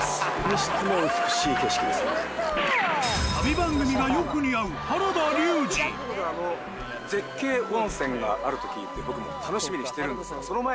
番組がよく似合う絶景温泉があると聞いて僕も楽しみにしてるんです。